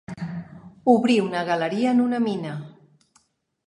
Obrir una galeria en una mina.